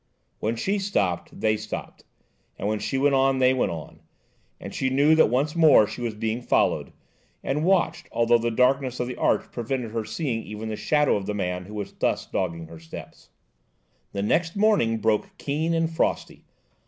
When she stopped they stopped, when she went on they went on, and she knew that once more she was being followed and watched, although the darkness of the arch prevented her seeing even the shadow of the man who was thus dogging her steps. The next morning broke keen and frosty.